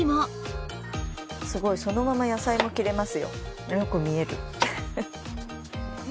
すごいそのまま野菜も切れますよ。